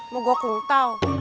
mau gue kelutau